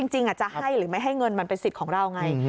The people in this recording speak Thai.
จริงจะให้หรือไม่ให้เงินมันเป็นสิทธิ์ของเราไง